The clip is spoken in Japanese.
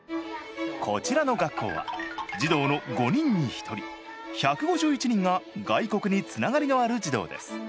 こちらの学校は児童の５人に１人１５１人が外国につながりのある児童です。